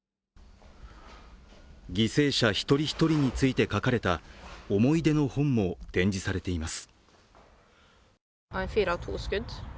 犠牲者一人一人について書かれた思い出の本も展示されています。